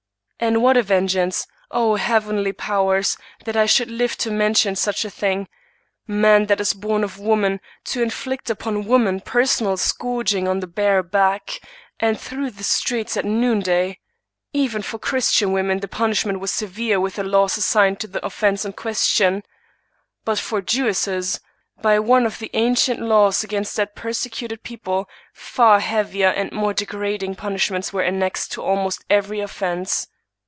And what a vengeance ! O heavenly powers ! that I should live to mention such a thing ! Man that is born of woman, to inflict upon woman personal scourging on the bare back, and through the streets at noonday! Even for Christian women the punishment was severe which the laws assigned to the offense in question. But for Jewesses, by one of the ancient laws against that persecuted people, far heavier and more degrading punishments were annexed to almost every offense.